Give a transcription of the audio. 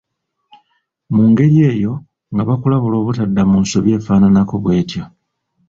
Mu ngeri eyo nga bakulabula obutadda mu nsobi efaananako bw’etyo.